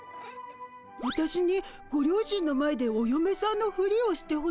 わたしにご両親の前でおよめさんのフリをしてほしいってこと？